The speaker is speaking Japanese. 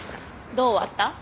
どう終わった？